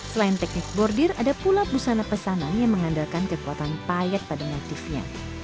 selain teknik bordir ada pula busana pesanan yang mengandalkan kekuatan payat pada motifnya